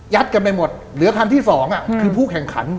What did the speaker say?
กันไปหมดเหลือคันที่๒คือผู้แข่งขัน